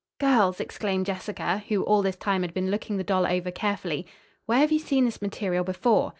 "Girls!" exclaimed Jessica, who all this time had been looking the doll over carefully, "where have you seen this material before?"